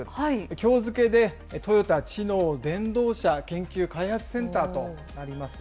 きょう付けで、トヨタ知能電動車研究開発センターとなります。